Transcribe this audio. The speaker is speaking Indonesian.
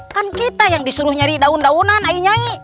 kan kita yang disuruh cari daun daunan ayah nyai